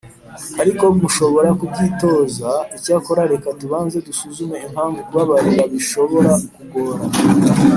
Ariko mushobora kubyitoza Icyakora reka tubanze dusuzume impamvu kubabarira bishobora kugora